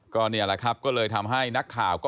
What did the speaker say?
ก็นี่แหละครับก็เลยทำให้นักข่าวก็